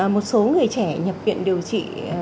một số người trẻ nhập viện điều trị